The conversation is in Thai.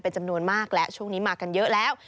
เป็นจำนวนมากแล้ว